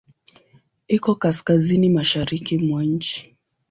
Iko kaskazini-mashariki mwa nchi.